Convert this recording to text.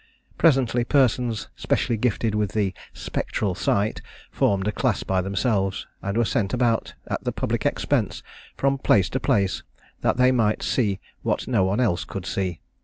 Presently persons, specially gifted with the 'spectral sight,' formed a class by themselves, and were sent about at the public expense from place to place, that they might see what no one else could see.